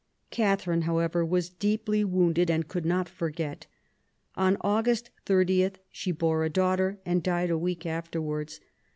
Catherine, however, was deeply wounded and could not forget. On August 30 she bore a daughter, and died a week afterwards.